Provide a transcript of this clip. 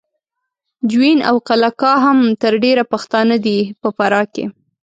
جوین او قلعه کا هم تر ډېره پښتانه دي په فراه کې